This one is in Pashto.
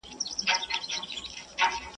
خورک په خپله خوښه، کالي د بل په خوښه.